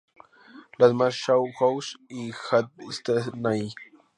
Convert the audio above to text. La más nueva Shaw House y Shaw Villa están allí.